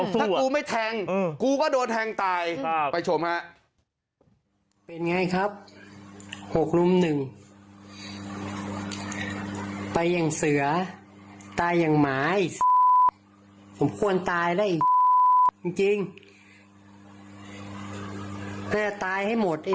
ถ้ากูไม่แทงกูก็โดนแทงตายไปชมฮะ